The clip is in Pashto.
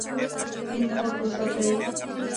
سیند پاک وساتئ.